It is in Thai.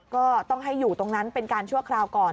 ก็ต้องให้อยู่ตรงนั้นเป็นการชั่วคราวก่อน